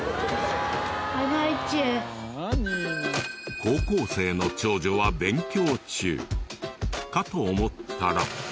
高校生の長女は勉強中かと思ったら。